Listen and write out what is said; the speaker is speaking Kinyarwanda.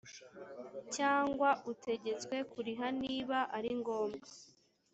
cyangwa utegetswe kuriha niba ari ngombwa